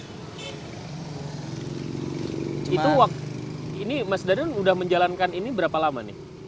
itu waktu ini mas dadan udah menjalankan ini berapa lama nih